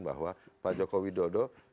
nah saya kok kemudian mendapatkan satu pengetahuan